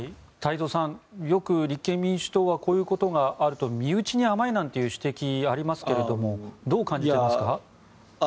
太蔵さんよく立憲民主党はこういうことがあると身内に甘いなんていう指摘がありますけどもどう感じていますか。